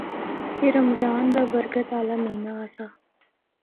اے رمضان دا برکت آلہ مہینہ آسا۔